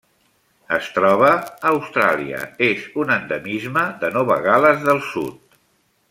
Es troba a Austràlia: és un endemisme de Nova Gal·les del Sud.